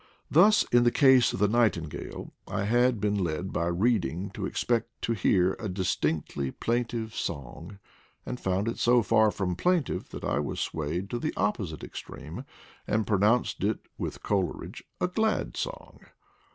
Thus, in the case of the nightin gale, I had been led by reading to expect to hear a distinctly plaintive song, and found it so far from plaintive that I was swayed to the opposite ex treme, and pronounced it (with Coleridge) a glad song.